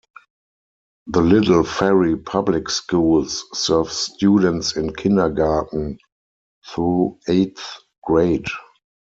The Little Ferry Public Schools serve students in kindergarten through eighth grade.